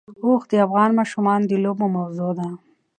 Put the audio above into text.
اوښ د افغان ماشومانو د لوبو موضوع ده.